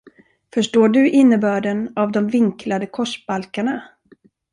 Förstår du innebörden av de vinklade korsbalkarna?